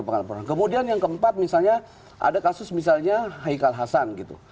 kemudian yang keempat misalnya ada kasus misalnya haikal hasan gitu